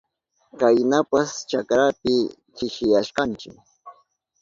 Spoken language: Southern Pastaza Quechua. Kaynapas chakrapi chishiyashkanchi.